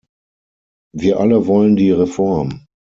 Wir alle wollen die Reform.